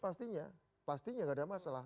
pastinya pastinya gak ada masalah